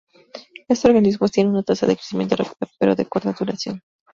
Estos organismos tienen una tasa de crecimiento rápida pero de corta duración.